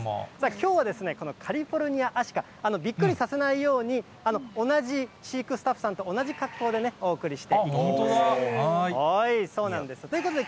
きょうはこのカリフォルニアアシカ、びっくりさせないように、同じ飼育スタッフさんの、同じ格好でお送りしているということです。